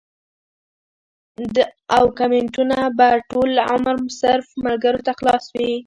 او کمنټونه به ټول عمر صرف ملکرو ته خلاص وي